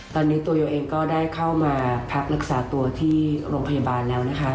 ตอนนี้ตัวโยเองก็ได้เข้ามาพักรักษาตัวที่โรงพยาบาลแล้วนะคะ